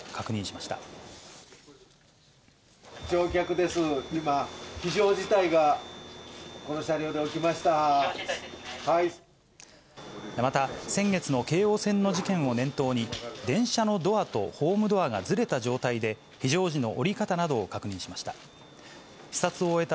また、先月の京王線の事件を念頭に、電車のドアとホームドアがずれた状態で、非常時の降り方などを確認しました。